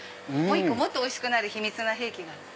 もっとおいしくなる秘密の兵器がある。